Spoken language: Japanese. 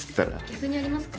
「逆にありますか？」。